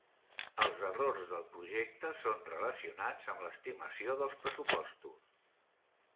Els errors del projecte són relacionats amb l'estimació dels pressupostos.